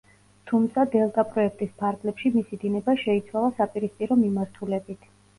თუმცა დელტაპროექტის ფარგლებში მისი დინება შეიცვალა საპირისპირო მიმართულებით.